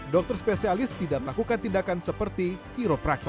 dokter spesialis tidak melakukan tindakan seperti kiropraktek